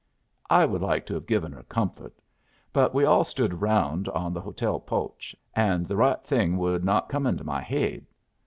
"I would like to have given her comfort. But we all stood around on the hotel poach, and the right thing would not come into my haid.